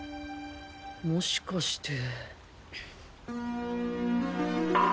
もしかして